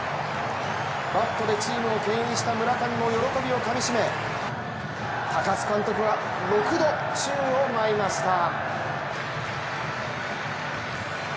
バットでチームをけん引した村上も喜びをかみしめ、高津監督は６度宙を舞いました。